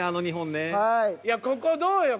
いやここどうよ？